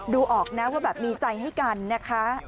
ดูออกนะว่าแบบมีใจให้กันนะคะ